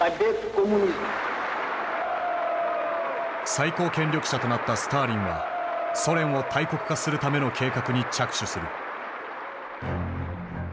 最高権力者となったスターリンはソ連を大国化するための計画に着手する。